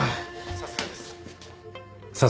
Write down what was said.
さすがです。